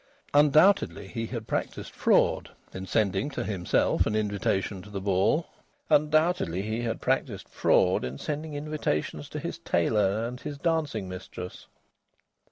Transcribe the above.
Undoubtedly he had practised fraud in sending to himself an invitation to the ball. Undoubtedly he had practised fraud in sending invitations to his tailor and his dancing mistress.